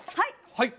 はい！